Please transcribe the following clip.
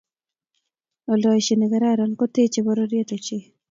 oldoishet ne kararan ko techee pororiet ochei